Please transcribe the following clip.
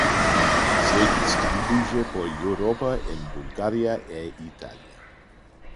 Se distribuye por Europa en Bulgaria e Italia.